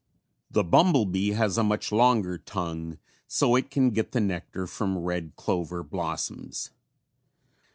The bumble bee has a much longer tongue so it can get the nectar from red clover blossoms.